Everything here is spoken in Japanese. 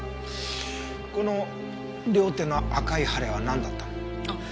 この両手の赤い腫れはなんだったの？